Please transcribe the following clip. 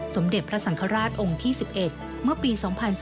สมเด็จพระสังฆราชองค์ที่๑๑เมื่อปี๒๔